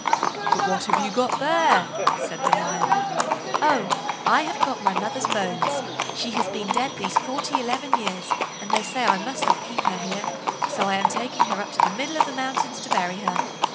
"But what have you got there?" said the Lion. "Oh! I have got my mother's bones—she has been dead these forty eleven years, and they say I must not keep her here, so I am taking her up into the middle of the mountains to bury her."